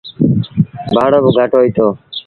ڀآڙو با گھٽ هوئيٚتو۔